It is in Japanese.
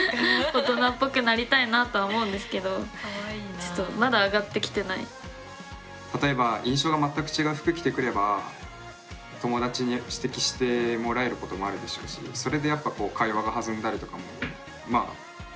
大人っぽくなりたいなとは思うんですけど例えば印象が全く違う服着てくれば友達に指摘してもらえることもあるでしょうしそれでやっぱ会話が弾んだりとかもまああると思うんですよね